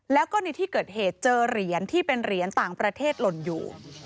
แล้วก็ในที่เกิดเหตุเจอเหรียญที่เป็นเหรียญต่างประเทศหล่นอยู่